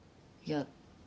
いや。